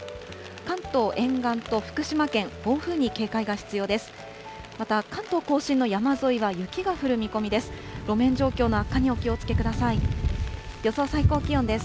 関東沿岸と福島県、暴風に警戒が必要です。